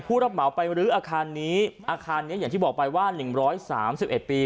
รับเหมาไปรื้ออาคารนี้อาคารนี้อย่างที่บอกไปว่า๑๓๑ปี